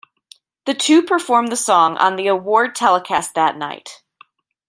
The two performed the song on the award telecast that night.